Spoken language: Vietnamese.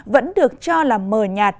vẫn được cho là mờ nhạt